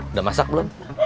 udah masak belum